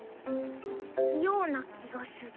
ような気がする。